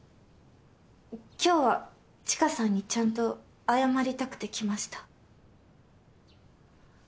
今日は知花さんにちゃんと謝りたくて来ました。